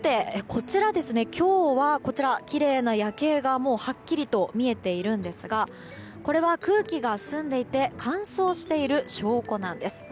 こちら今日はきれいな夜景がはっきりと見えているんですがこれは、空気が澄んでいて乾燥している証拠なんです。